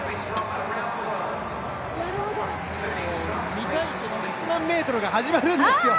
見たいけど、１００００ｍが始まるんですよ。